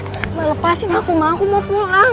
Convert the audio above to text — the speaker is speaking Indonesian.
ma ma melepaskan aku ma aku mau pulang